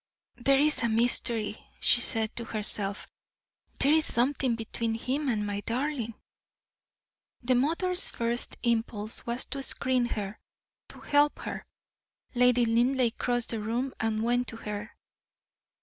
"There is a mystery," she said to herself; "there is something between him and my darling!" The mother's first impulse was to screen her, to help her. Lady Linleigh crossed the room and went to her.